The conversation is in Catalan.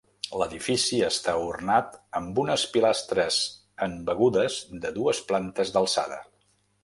L'edifici està ornat amb unes pilastres embegudes de dues plantes d'alçada.